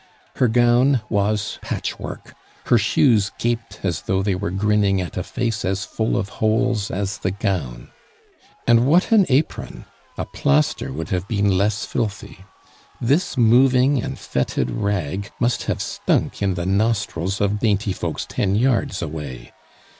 Her gown was patchwork; her shoes gaped as though they were grinning at a face as full of holes as the gown. And what an apron! a plaster would have been less filthy. This moving and fetid rag must have stunk in the nostrils of dainty folks ten yards away.